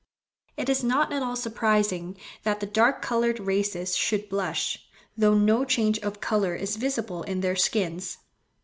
It is not at all surprising that the dark coloured races should blush, though no change of colour is visible in their skins.